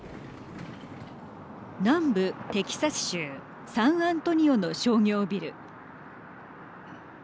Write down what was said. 南部テキサス州サンアントニオの商業ビル。